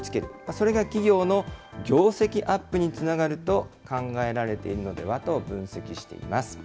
それが企業の業績アップにつながると考えられているのではと分析しています。